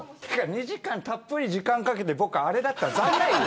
２時間たっぷり時間をかけてあれだったら残念。